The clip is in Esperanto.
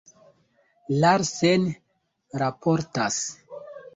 Larsen raportas.